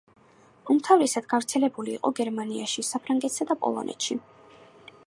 უმთავრესად გავრცელებული იყო გერმანიაში, საფრანგეთსა და პოლონეთში.